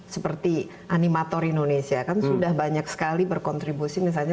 seperti animator indonesia kan sudah banyak sekali berkontribusi misalnya